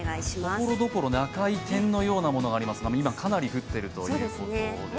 ところどころ、赤い点のようなものがありますが、今、かなり降っているということですね。